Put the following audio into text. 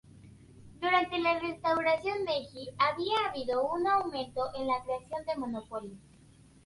Durante la Restauración Meiji, había habido un aumento en la creación de monopolios.